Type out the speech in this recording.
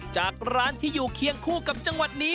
จากร้านที่อยู่เคียงคู่กับจังหวัดนี้